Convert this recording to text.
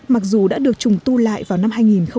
mặc dù đã được trùng tu lại vào năm hai nghìn một mươi